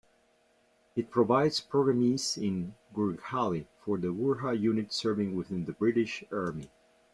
It provides programmes in Gurkhali, for the Gurkha units serving with the British Army.